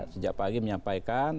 sejak pagi menyampaikan